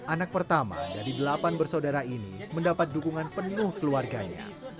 anak pertama dari delapan bersaudara ini mendapat dukungan penuh keluarganya